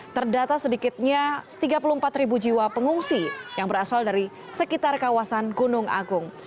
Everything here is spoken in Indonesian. terdata sedikitnya tiga puluh empat ribu jiwa pengungsi yang berasal dari sekitar kawasan gunung agung